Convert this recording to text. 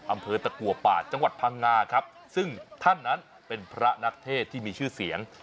อำเภอตะกัวป่าจังหวัดพังงาครับซึ่งท่านนั้นเป็นพระนักเทศที่มีชื่อเสียง